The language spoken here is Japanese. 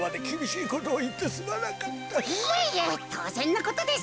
いえいえとうぜんのことです。